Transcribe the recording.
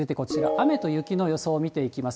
雨と雪の予想を見ていきます。